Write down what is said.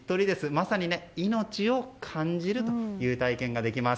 まさに命を感じるという体験ができます。